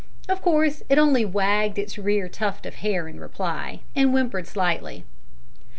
Of course it only wagged its rear tuft of hair in reply, and whimpered slightly.